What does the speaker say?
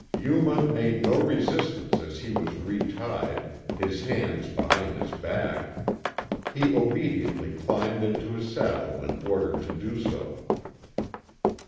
Yuma made no resistance as he was retied, his hands behind his back. He obediently climbed into his saddle when ordered to do so.